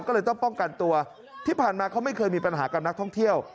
ก็เลยต้องป้องกันตัวที่ผ่านมาเขาไม่เคยมีปัญหากับนักท่องเที่ยว